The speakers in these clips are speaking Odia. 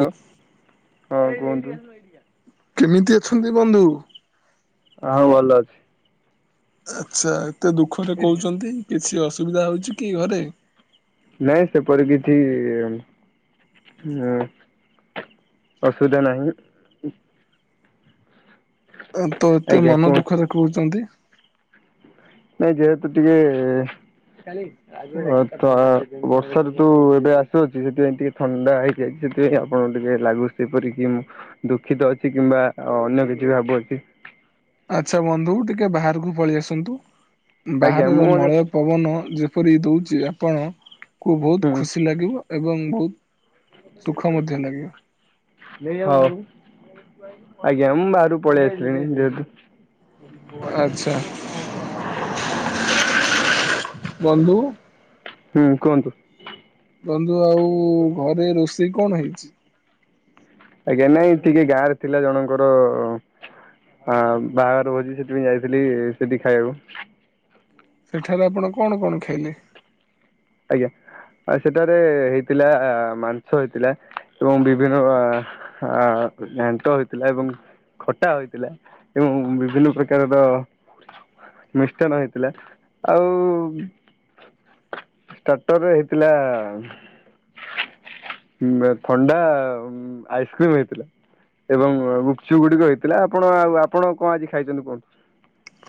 ହାଲୋ ହଁ କୁହନ୍ତୁ। କେମିତି ଅଛନ୍ତି ବନ୍ଧୁ? ହଁ ଭଲ ଅଛି। ଆଚ୍ଛା ଏତେ ଦୁଃଖରେ କହୁଛନ୍ତି, କିଛି ଅସୁବିଧା ହେଉଛି କି ଘରେ? ନାଇଁ ସେ ପଡ଼େ କିଛି [unintelligible] ଅସୁବିଧା ନାହିଁ। ତ ଏତେ ଆଜ୍ଞା ମନ କୁହନ୍ତୁ ଦୁଃଖରେ କହୁଛନ୍ତି। ନାଇଁ ଯେହେତୁ ଟିକେ ତ ବର୍ଷା ଋତୁ ଏବେ ଆସୁଅଛି, ସେଥିପାଇଁ ଟିକେ ଥଣ୍ଡା ହେଇଯାଇଛି। ସେଥିପାଇଁ ଆପଣଙ୍କୁ ଟିକେ ଲାଗୁଛି ଯେପରି କିି ମୁଁ ଦୁଃଖିତ ଅଛି କିମ୍ବା ଅନ୍ୟ କିଛି ବି ଭାବୁଅଛି। ଆଚ୍ଛା ବନ୍ଧୁ ଟିକେ ବାହାରକୁ ପଳେଇ ଆସନ୍ତୁ। ଆଜ୍ଞା ମୁଁ ବାହାରର ମଧ୍ୟ ମଳୟ ପବନ ଯେପରି ଦଉଛି ଆପଣ କୁ ହୁଁ ବହୁତ ଖୁସି ଲାଗିବ। ଏବଂ ବହୁତ ସୁଖ ମଧ୍ୟ ଲାଗିବ ହୋଉ। ଆଜ୍ଞା ମୁ ବାହାରୁକୁ ପଳେଇ ଆସିଲିଣି। ଯେହେତୁ ଆଛା। ବନ୍ଧୁ ହୁଁ କୁହନ୍ତୁ। ସେ କଣ ହେଇଛି? ଆଜ୍ଞା ନାଇଁ ଟିକେ ଗାଁରେ ଥିଲା ଜଣଙ୍କର ହଁ ବାହାଘର ଭୋଜି ସେଥିପାଇଁ ଯାଇଥିଲି ସେଠି ଖାଇବାକୁ। ସେଠାରେ ଆପଣ କଣ କଣ ଖାଇଲେ? ଆଜ୍ଞା। ଆ ସେଠାରେ ହେଇଥିଲା ମାଂସ ହେଇଥିଲା ଏବଂ ବିଭିନ୍ନ ଅ ଘାଣ୍ଟ ହୋଇଥିଲା ଏବଂ ଖଟା ହୋଇଥିଲା ଏବଂ ବିଭିନ୍ନ ପ୍ରକାରର ମିଷ୍ଟନ ହେଇଥିଲା। ଆଉ ଷ୍ଟାର୍ଟର ରେ ହେଇଥିଲା ଥଣ୍ଡା ଆଇସ୍କ୍ରିମ ହେଇଥିଲା। ଏବଂ ଗୁପଛୁ ଗୁଡିକ ହେଇଥିଲା। ଆପଣ ଆଉ ଆପଣ କଣ ଆଜି ଖାଇଛନ୍ତି କୁହନ୍ତୁ?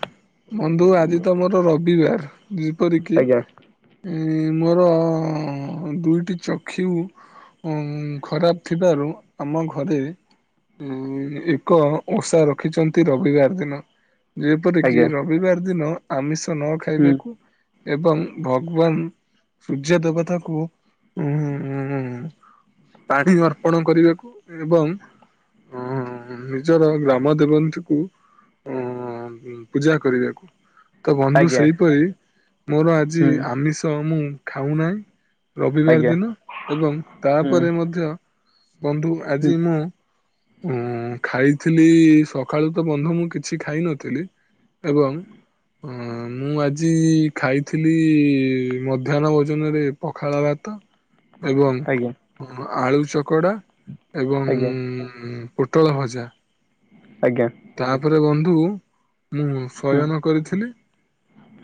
ବନ୍ଧୁ ଆଜି ତମର ରବିବାର। ଯେପର କିି ଆଜ୍ଞା ମୋର ଦୁଇଟି ଚକ୍ଷୁ ଉ ଖରାପ ଥିବାରୁ ଆମ ଘରେ ଉଁ ଏକ ଓଷା ରଖିଛନ୍ତି ରବିବାର ଦିନ। ଯେପରି ଆଜ୍ଞା କି ରବିବାର ଦିନ ଆମିଷ ନ ହୁଁ ଖାଇବାକୁ ଏବଂ ଭଗବାନ ସୂର୍ଯଦେବତା ଙ୍କୁ ଉଁ ପାଣି ଅର୍ପଣ କରିବାକୁ ଏବଂ ଉ ନିଜର ଗ୍ରାମ ଦେବନ୍ତୀ କୁ ପୂଜା କରିବାକୁ। ତ ବନ୍ଧୁ ଆଜ୍ଞା ସେହିପରି ମୋର ଆଜି ହୁଁ ଆମିଷ ମୁଁ ଖାଉ ନାହିଁ ରବିବାର ଆଜ୍ଞା ଦିନ ଏବଂ ହୁଁ। ତାପରେ ମଧ୍ୟ ବନ୍ଧୁ ହୁଁ ଆଜି ମୁଁ ଉ ଖାଇ ଥିଲି ସକାଳୁ ତ ବନ୍ଧୁ ମୁଁ କିଛି ଖାଇ ନଥିଲି ଏବଂ ଅ ମୁଁ ଆଜି ଖାଇଥିଲି ମଧ୍ୟାହ୍ନ ଭୋଜନରେ ପଖାଳ ଭାତ। ତ ଏବଂ ଆଜ୍ଞା ଆଳୁ ଚକଡା ଏବଂ ଆଜ୍ଞା ପୋଟଳ ଭଜା। ଆଜ୍ଞା ତାପରେ ବନ୍ଧୁ ମୁଁ ହୁଁ ଶୟନ କରିଥିଲି।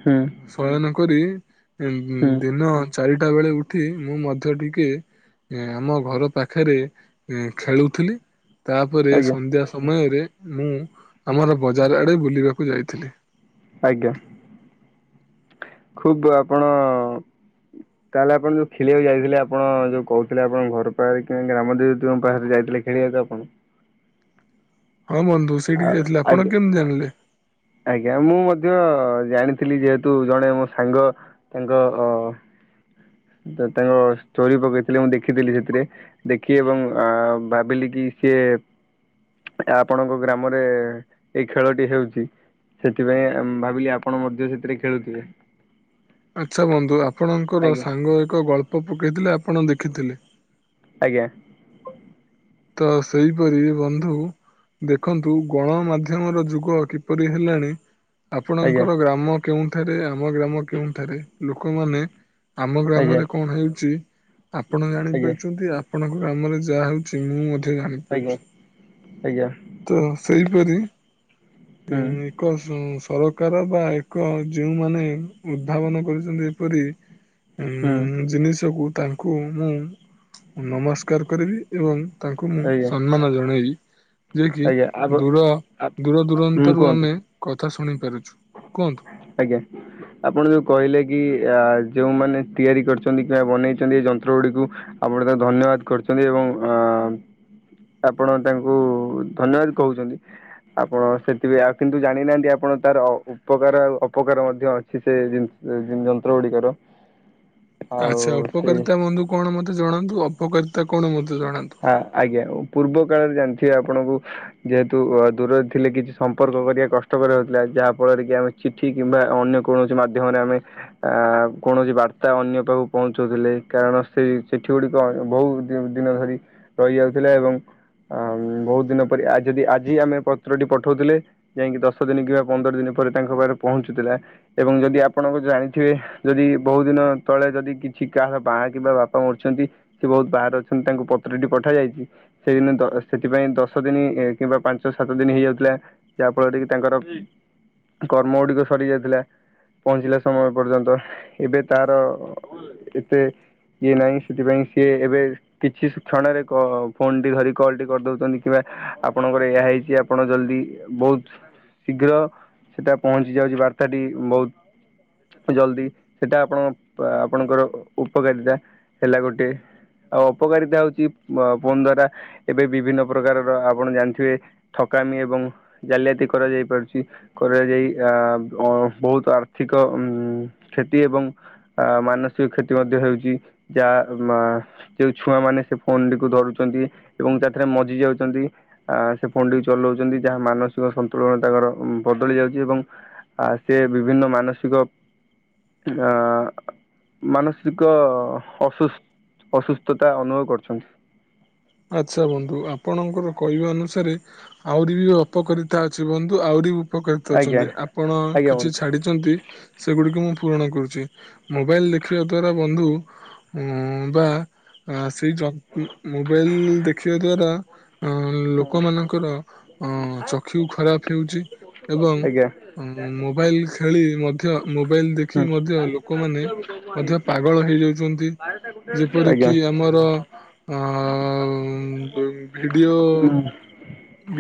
ହୁଁ ଶୟନ କରି ହୁଁ ଦିନ ଚାରିଟା ବେଳେ ଉଠି ମୁଁ ମଧ୍ୟ ଟିକେ ଏ ଆମ ଘର ପାଖରେ ଖେଳୁଥିଲି। ତାପରେ ଆଜ୍ଞା ସନ୍ଧ୍ୟା ସମୟରେ ମୁଁ ଆମର ବଜାର ଆଡେ ବୁଲିବାକୁ ଯାଇଥିଲି। ଆଜ୍ଞା। ଖୁବ ଆପଣ ତାହେଲେ ଆପଣ ଯୋଉ ଖେଳିବାକୁ ଯାଇଥିଲେ ଆପଣ ଯୋଉ କହୁଥିଲେ ଆପଣ ଘର ପାଖରେ କି ଗ୍ରାମ ଦେବତୀଙ୍କ ପାଖରେ ଯାଇଥିଲେ ଖେଳିବାକୁ ଆପଣ। ହଁ ବନ୍ଧୁ ଆ ସେଇଠିକି ଯାଇଥିଲେ ଆପଣ ଆଜ୍ଞା କେମିତି ଜାଣିଲେ? ଆଜ୍ଞା ମୁଁ ମଧ୍ୟ ଜାଣିଥିଲି। ଯେହେତୁ ଜଣେ ମୋ ସାଙ୍ଗ ତାଙ୍କ ଅ ତ ତାଙ୍କ ଷ୍ଟୋରି ପକେଇ ଥିଲେ ମୁଁ ଦେଖିଥିଲି ସେଥିରେ ଦେଖି ଏବଂ ଅ ଭାବିଲି କି ସିଏ ଆପଣଙ୍କ ଗ୍ରାମରେ ଏଇ ଖେଳଟି ହେଉଛି। ସେଥିପାଇଁ ଭାବିଲି ଆପଣ ମଧ୍ୟ ସେଥିରେ ଖେଳୁଥିବେ। ଆଚ୍ଛା ବନ୍ଧୁ ଆପଣଙ୍କର ଆଜ୍ଞା ସାଙ୍ଗ ଏକ ଗଳ୍ପ ପକେଇଥିଲେ ଆପଣ ଦେଖିଥିଲେ। ଆଜ୍ଞା। ତ ସେଇପରି ବନ୍ଧୁ। ଦେଖନ୍ତୁ ଗଣମାଧ୍ୟମର ଯୁଗ କିପରି ହେଲାଣି? ଆଜ୍ଞା ଆପଣଙ୍କର ଗ୍ରାମ କେଉଁଠାରେ ଆ ଆମ ଗ୍ରାମ କେଉଁଠାରେ ଲୋକମାନେ ଆମ ଆଜ୍ଞା ଗ୍ରାମରେ କଣ ହେଉଛି? ଆପଣ ଆଜ୍ଞା ଜାଣିପାରୁଛନ୍ତି ଆ ପଣଙ୍କ ଗ୍ରାମରେ ଯାହା ହଉଛି ମୁଁ ମଧ୍ୟ ଆଜ୍ଞା ଜାଣିପାରୁଛି ଆଜ୍ଞା ହୁଁ ତ ସେଇ ପରି ଏକ ସ ସରକାର ବା ଏକ ଯେଉଁମାନେ ଉଦ୍ଭାବନ କରିଛନ୍ତି ଏପରି ହୁଁ ଉଁ ଜିନିଷକୁ ତାଙ୍କୁ ମୁଁ ନମସ୍କାର କରିବି ଏବଂ ତାଙ୍କୁ ମୁଁ ଆଜ୍ଞା ସମ୍ମାନ ଜଣାଇବି ଯିଏ କି ଆଜ୍ଞା ଆପ ଦୂର ଦୂର ହୁଁ ଦୂରାନ୍ତରୁ କୁହନ୍ତୁ ଆମେ କଥା ଶୁଣି ପାରୁଛୁ। କୁହନ୍ତୁ। ଆଜ୍ଞା ଆପଣ ଯୋଉ କହିଲେ କି ଆ ଯେଉଁମାନେ ତିଆରି କରିଛନ୍ତି କିମ୍ବା ବନେଇଛନ୍ତି ଏ ଯନ୍ତ୍ର ଗୁଡ଼ିକୁ ଆପଣ ତାଙ୍କୁ ଧନ୍ୟବାଦ କରୁଛନ୍ତି ଏବଂ ପ ଆଁ ଆପଣ ତାଙ୍କୁ ଧନ୍ୟବାଦ କହୁଛନ୍ତି। ଆପଣ ସେଥିପାଇଁ ଆଉ କିନ୍ତୁ ଜାଣିନାହାନ୍ତି ଆପଣ ତାର ଉପକାର ଆଉ ଅପକାର ମଧ୍ୟ ଅଛି ସେ ଜିନିଷ ଜି ଯନ୍ତ୍ର ଗୁଡ଼ିକର। ଆଚ୍ଛା ଉପକାରିତା ବନ୍ଧୁ କଣ ମତେ ଜଣାନ୍ତୁ ଅପକାରିତା କଣ ବନ୍ଧୁ? ଆଁ ଆଜ୍ଞା ପୂର୍ବ କାଳରେ ଜାଣି ଥିବେ ଆପଣଙ୍କୁ ଯେହେତୁ ଦୂରରେ ଥିଲେ କିଛି ସମ୍ପର୍କ କରିବା କଷ୍ଟକର ହଉଥିଲା ଯାହା ଫଳରେ କି ଆମେ ଚିଠି କିମ୍ବା ଅନ୍ୟ କୌଣସି ମାଧ୍ୟମରେ ଆମେ ଆ କୌଣସି ବାର୍ତ୍ତା ଅନ୍ୟ ପାଖକୁ ପହଞ୍ଚଉଥିଲେ। କାରଣ ସେ ଚିଠି ଗୁଡ଼ିକ ବହୁ ଦିନ ଦିନ ଧରି ରହିଯାଉଥିଲା ଏବଂ ଆ ବହୁତ ଦିନ ପରି ଯଦି ଆଜି ଆମେ ପତ୍ରଟି ପଠଉଥିଲେ ଯାଇଙ୍କି ଦଶ ଦିନ କିମ୍ବା ପନ୍ଦର ଦିନ ପରେ ତାଙ୍କ ପାଖରେ ପହଞ୍ଚୁଥିଲା ଏବଂ ଯଦି ଆପଣଙ୍କ ଜାଣିଥିବେ ଯଦି ବହୁ ଦିନ ତଳେ ଯଦି କି ଛି କାହାର ବାହା କିମ୍ବା ବାପା ମରିଛନ୍ତି ସେ ବହୁତ ବାହାରେ ଅଛନ୍ତି ତାଙ୍କୁ ପ ପ୍ରିଣ୍ଟି ପଠାଯାଇଛି ସେଦିନ ଦ ସେଥିପାଇଁ ଦଶ ଦିନ କିମ୍ବା ପାଞ୍ଚ ସାତ ଦିନ ହେଇଯାଇଥିଲା ଯହାଫଳରେ କି ତାଙ୍କର କର୍ମ ଗୁଡ଼ିକ ସରି ଯାଇଥିଲା। ପହଞ୍ଚିଲା ସମୟ ପର୍ଯ୍ୟନ୍ତ ଏବେ ତାର ଏତେ ଇଏ ନାହିଁ ସେଥିପାଇଁ ସିଏ ଏବେ କିଛି କ୍ଷଣରେ କ ଫୋନ ଟି ଧରି କଲ ଟି କରିଦଉଛନ୍ତି କିମ୍ବା ଆପଣଙ୍କର ଏହା ହେଇଛି ଆପଣ ଜଲଦି ବୁ ବହୁତ ଶୀଘ୍ର ସେଟା ପହଞ୍ଚି ଯାଉଛି ବାର୍ତ୍ତାଟି ବହୁତ ଜଲଦି ସେଟା ଆପଣ ଆପଣଙ୍କର ଉପକାରିତା ହେଲା ଗୋଟେ। ଆଉ ଅପକାରିତା ହଉ ଚି ଫୋନ୍ ଦ୍ଵାରା ଏବେ ବିଭିନ୍ନ ପ୍ରକାରର ଆପଣ ଜାଣିଥିବେ ଠକାମି ଏବଂ ଜା ଲିଆତି କରାଯାଇ ପାରୁଛି କରାଯାଇ ଆ ବହୁତ ଆର୍ଥିକ ଉଁ କ୍ଷତି ତି ଏବଂ ଆ ମାନସିକ କ୍ଷତି ମଧ୍ୟ ହେଉଛି ଯାହା ମା ଯୋଉ ଛୁଆ ମାନେ ସେ ଫୋନ ଟିକୁ ଧରୁଛନ୍ତି ଏବଂ ତା ଠା ରେ ମଜି ଯାଉଛନ୍ତି ଆ ସେ ଫୋନ ଟିକୁ ଚଲାଉଛନ୍ତି ଯାହା ମାନସିକ ସନ୍ତୁଳନ ତାଙ୍କର ବଦଳି ଯାଉଛି ଏବଂ ଆ ସେ ବିଭିନ୍ନ ମାନସିକ ଆ ମାନସିକ ଅସୁସ୍ ଅସୁସ୍ଥତା ଅନୁଭବ କରୁଛନ୍ତି। ଆଚ୍ଛା ବନ୍ଧୁ ଆପଣଙ୍କର କହିବା ଅନୁସାରେ ଆହୁରି ବି ଅପକାରିତା ଅଛି ବନ୍ଧୁ ଆହୁରି ଉପକାରିତ ଆଜ୍ଞା ଅଛନ୍ତି ଆପଣ ଆଜ୍ଞା କିଛି ବନ୍ଧୁ। ଛାଡ଼ିଛନ୍ତି ସେଗୁଡିକୁ ମୁଁ ପୂରଣ କରୁଛି ମୋବାଇଲ ଦେଖିବା ଦ୍ଵାରା ବନ୍ଧୁ ଉଁ ବା ଆ ସେଇ ଯ ମୋବାଇଲ ଦେଖିବା ଦ୍ଵାରା ଅ ଲୋକମାନଙ୍କର ଅ ଚକ୍ଷୁ ଖରାପ ହେଉଛି ଏବଂ ଆଜ୍ଞା ଉଁ ମୋବାଇଲ ଖେଳି ମ ମୋବାଇଲ ହୁଁ। ଦେଖିକି ମଧ୍ୟ ଲୋକମାନେ ମଧ୍ୟ ପାଗଳ ହେଇଯାଉଛନ୍ତି। ଆଜ୍ଞା ହୁଁ ଆଜ୍ଞା ଆଜ୍ଞା ଆଜ୍ଞା। ଯେପରିକି ଆମର ଅ [inaudible] ଉ ଭିଡିଓ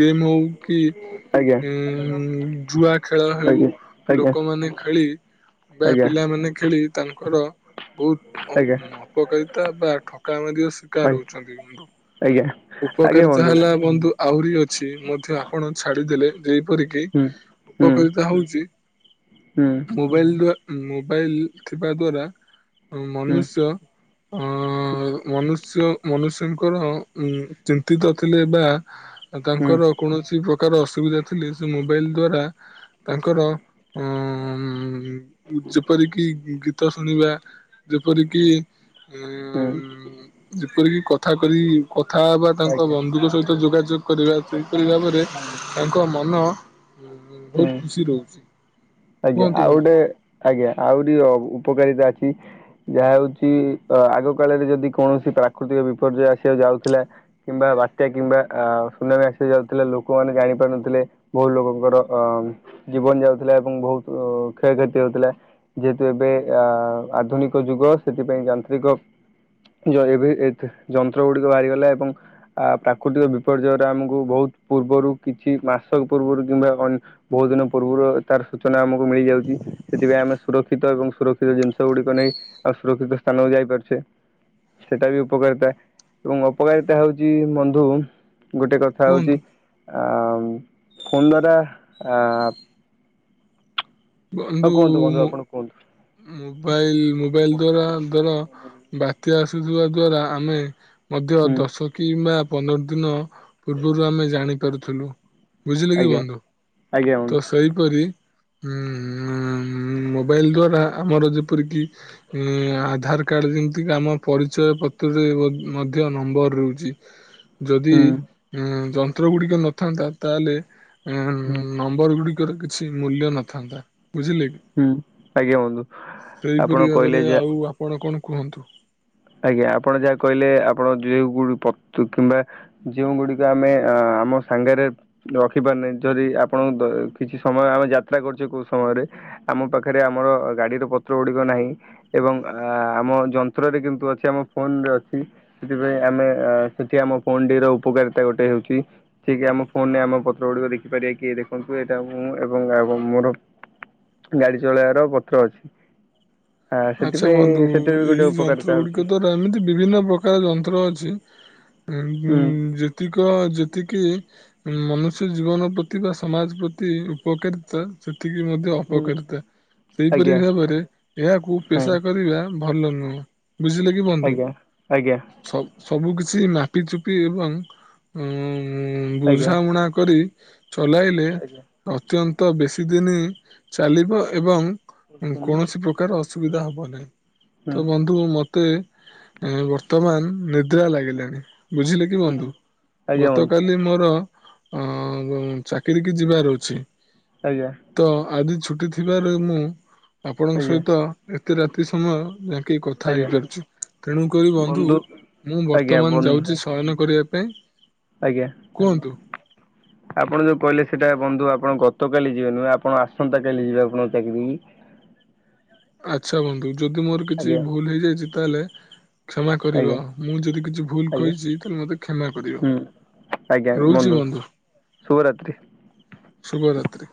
ଗେମ୍ ହଉ କି ଉଁ-ଉ-ଉ ଜୁଆ ଖେଳ ହେଉ ଆଜ୍ଞା ଲୋକମାନେ ଖେଳି ବା ପିଲାମାନେ ଖେଳି ତାଙ୍କର ବହୁତଅପ ଅପକାରିତା ବା ଠ କାମି ମଧ୍ୟ ଶିକାର ଆଜ୍ଞା ହଉଚନ୍ତି କିନ୍ତୁ ଆଜ୍ଞା ଆଜ୍ଞା ଉପକାରିତା ବନ୍ଧୁ ହୁଁ। ହେଲା ବନ୍ଧୁ ଆହୁରି ଅଛି ମଧ୍ୟ ଆପଣ ଛାଡିଦେଲେ। ଯେପରିକି ହୁଁ ହୁଁ ଉପକାରିତା ହଉଛି ହୁଁ ମୋବାଇଲ ଦ୍ୱା ମୋବାଇଲ ଥିବା ଦ୍ଵାରା ହୁଁ ମନୁଷ୍ୟ ଅ-ଅ-ଅ ମନୁଷ୍ୟ ନୁଷ୍ୟଙ୍କର ଉ ଚିନ୍ତିତ ଥିଲେ ବା ତାଙ୍କର କୌଣସି ପ୍ର ପ୍ରକାର ଅସୁବିଧା ଥିଲେ ସେ ମୋବାଇଲ ଦ୍ଵାରା ତାଙ୍କର ଉଁ-ଉ-ଉ-ଉମ୍-ମ୍ ଯେପରିକି ଗି ଗୀତ ଶୁଣିବା ଯେପରିକି ହୁଁ। କରିକି କଥା କରି କଥା ହେବା ତାଙ୍କ ଆଜ୍ଞା ବନ୍ଧୁଙ୍କ ସହିତ ଯୋଗାଯୋଗ କରିବା ସେଇପରି ଭାବରେ ତାଙ୍କ ମନ ଉ-ଉ ହୁଁ। ବହୁତ ଖୁସି ରହୁଚି। ଆଜ୍ଞା, ଆଉ ଗୋଟେ ଆଜ୍ଞା ଆହୁରି ଉପକାରିତା ଅଛି ଯାହା ହଉଚି ଆଗ କାଳରେ ଯଦି କୌଣସି ପ୍ରାକୃତିକ ବିପର୍ଯ୍ୟୟ ଆସିବାକୁ ଯାଉଥିଲା କିମ୍ବା ବାତ୍ୟା କିମ୍ବା ଆ ସୁନାମି ଆସି ଯାଉଥିଲା ଲୋକମାନେ ଜାଣି ପାରୁନଥିଲେ ବହୁତ ଲୋକଙ୍କର ଅ ଜୀବନ ଯାଉଥିଲା ଏବଂ ବହୁତ କ୍ଷୟକ୍ଷତି ହେଉଥିଲା ଯେହେତୁ ଏବେ ଅ ଆଧୁନିକ ଯୁଗ ସେଥିପାଇଁ ଜାଣି ରି ଗକ୍ ଯ ଏବେ ଏ ଯନ୍ତ୍ର ଗୁଡିକ ବାହାରିଗଲା ଏବଂ ଆ ପ୍ରାକୃତିକ ବିପର୍ଯ୍ୟୟରେ ଆମକୁ ବହୁତ ପୂର୍ବରୁ କିଛି ମାସକ ପୂର୍ବରୁ କିମ୍ବା ଅ ବହୁତ ଦିନ ପୂର୍ବରୁ ତାର ସୂଚନା ଆମକୁ ମିଳିଯାଉଚି। ସେଥିପାଇଁ ଆମେ ସୁରକ୍ଷିତ ଏବଂ ସୁରକ୍ଷିତ ଜିନିଷ ଗୁଡିକ ନେଇ ଆଉ ସୁରକ୍ଷିତ ସ୍ଥାନ କୁ ଯାଇ ପାରୁଛେ। ସେଟା ବି ଉପକାରିତା ଏବଂ ଅପକାରିତା ହଉଚି ବନ୍ଧୁ ଗୋଟେ କଥା ହଉଚି କୁହନ୍ତୁ ଆ-ଆ-ଆ ଫୋନ୍ ଦ୍ଵାରା ଆ-ଆ-ଆ ବନ୍ଧୁ-ଉ-ଉ ବନ୍ଧୁ ମୋ ଆପଣ କୁହନ୍ତୁ ମୋବାଇଲ ମୋବାଇଲ ଦ୍ଵାରା ଦ୍ଵାର ବା ଇତିହାସ ଦ୍ଵାରା ଆମେ ମଧ୍ୟ ହୁଁ ଦଶ କିମ୍ବା ପନ୍ଦର ଦିନ ପୂର୍ବରୁ ଆମେ ଜାଣି ପାରୁଥିଲୁ। ବୁଝିଲେ କି ଆଜ୍ଞା ବନ୍ଧୁ ଆଜ୍ଞା ବନ୍ଧୁ ତ ସେଇପରି ଉ-ଉ-ଉ-ଉ-ଉ ମୋବାଇଲ ଦ୍ଵାରା ଆମର ଯେପରିକି-ଇ-ଇ-ଇ ଆଧାର କାର୍ଡ ଯେମିତି କା ଆମ ପରିଚୟ ପତ୍ର ତେ ମଧ୍ୟ ନମ୍ବର ରହୁଚି। ଯଦି ହୁଁ ଉଁ ଯନ୍ତ୍ର ଗୁଡିକ ନଥାନ୍ତା ତାହେଲେ ଉ-ଉ-ଉ-ଉ ହୁଁ ନମ୍ବର ଗୁଡିକର କିଛି ମୂଲ୍ୟ ନଥାନ୍ତା। ବୁଝିଲେ, ହୁଁ ଆଜ୍ଞା ବନ୍ଧୁ ଆପଣ ସେହିପରି କହିଲେ ଭାବରେ ଯା ଆଉ ଆପଣ କଣ କୁହନ୍ତୁ। ଆଜ୍ଞା ଆପଣ ଯାହା କହିଲେ ଆପଣ ଯୋଉଁ ଗୁୁ ଵସ୍ତୁ କିମ୍ବା ଯେଉଁ ଗୁଡିକ ଆମେ ଅ ଆମ ସାଙ୍ଗରେ ରଖିପାରୁନେ ଯଦି ଆପଣ ଦ କିଛି ସମୟ ଆମେ ଯାତ୍ରା କରୁଛେ କେଉଁ ସମୟରେ ଆମ ପାଖରେ ଆମର ଗାଡିରୁ ପତ୍ର ଗୁଡିକ ନାହିଁ ଏବଂ ଆ ଆମ ଯନ୍ତ୍ରରେ କିନ୍ତୁ ଅଛି ଆମ ଫୋନରେ ଅଛି ସେଥିପାଇଁ ଆମେ ଏ ସେଠି ଆମ ଫୋନ ଟି ର ଉପକାରିତା ଗୋଟେ ହେଉଚି। ଠିକ୍ ଆମ ଫୋନରେ ଆମ ପତ୍ର ଗୁଡିକ ଦେଖିପାରିବା କି ଦେଖନ୍ତୁ ଏଇଟା ମୁଁ ଏବଂ ଆ ମୋର ଗାଡି ଚଳେଇବାର ପତ୍ର ଅଛି। ଆ ସେଥିପାଇଁ ସେଟା ବି ଗୋଟେ ଉପକାରତା ହଉଚି। କିନ୍ତୁ ଏମିତି ବିଭିନ୍ନ ପ୍ରକାର ଯନ୍ତ୍ର ଅଛି। ହୁଁ ଉ-ଉ-ଉ-ଉ ଯେତିକ ଯେତିକି ମନୁଷ୍ୟ ଜୀବନ ପ୍ରତି ବା ସମାଜ ପ୍ରତି ଉପକାରିତା ସେ ତିକି ମଧ୍ୟ ହୁଁ ଅପକାରିତା ସେହିପରି ଆଜ୍ଞା ଭାବରେ ଏହାକୁ ହୁଁ ପେଶା କରିବା ଭଲ ନୁହଁ ବୁଝିଲେ କି ବନ୍ଧୁ ଆଜ୍ଞା ଆଜ୍ଞା ସ ସବୁ କିଛି ସେ ମାପିଚୁପି ଏବଂ ଉ ଆଜ୍ଞା ବୁଝାମୁଣା କରି ଚଲାଇଲେ ଆଜ୍ଞା ଅତ୍ୟନ୍ତ ବେଶୀ ଦିନ ଚାଲିବ ଏବଂ କୌଣସି ହୁଁ ପ୍ରକାର ଅସୁବିଧା ହବ ନାହିଁ ତ ବନ୍ଧୁ ମତେ ବର୍ତ୍ତମାନ ନିଦ୍ରା ଲାଗିଲାଣି। ବୁଝିଲେ କି ହୁଁ ବନ୍ଧୁ ଆଜ୍ଞା ବନ୍ଧୁ ଗତକାଲି ମୋର ଅ ଚାକିରି କି ଯିବାର ଅଛି ଆଜ୍ଞା ତ ଆଜି ଛୁଟି ଥିଲା। ଥିବାରୁ ମୁଁ ଆପଣଙ୍କ ଆଜ୍ଞା ସହିତ ଏତେ ରାତି ସମୟ କି କଥା ଆଜ୍ଞା ହେଇପାରୁଛି ତେଣୁକରି ବନ୍ଧୁ ମୁଁ ଆଜ୍ଞା ବର୍ତ୍ତମାନ ବନ୍ଧୁ ଯାଉଛି ଶୟନ କରିବା ପାଇଁ ଆଜ୍ଞା କୁହନ୍ତୁ। ଆପଣ ଯୋଉ କହିଲେ ସେଟା ବନ୍ଧୁ ଆପଣ ଗତକାଲି ଯିବେ ନୁହେଁ ଆପଣ ଆସନ୍ତା କାଲି ଯିବେ ଆପଣଙ୍କ ଚାକିରି କି। [inaudible] ଆଚଛା ବନ୍ଧୁ ଯଦି ମୋର କିଛି ଆଜ୍ଞା ଭୁଲ ହେଇଯାଇଛି ତାହେଲେ କ୍ଷମା ଆଜ୍ଞା କରିବ ମୁଁ ଯଦି କିଛି ଭୁଲ ଆଜ୍ଞା କହିଛି ତାହେଲେ ମତେ କ୍ଷମା କରିବ। ହୁଁ ଆଜ୍ଞା ବନ୍ଧୁ ଶୁଭରାତ୍ରି। ଶୁଭରାତ୍ରି।